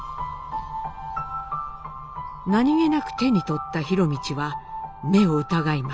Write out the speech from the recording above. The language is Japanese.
何気なく手に取った博通は目を疑います。